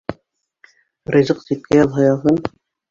Ризыҡ ситкә яҙһа яҙһын